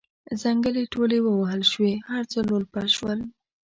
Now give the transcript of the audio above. ځنګلې ټولې ووهل شوې هر څه لولپه شول.